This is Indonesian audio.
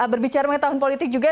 berbicara mengenai tahun politik juga